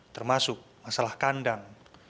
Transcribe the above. termasuk masalah kandang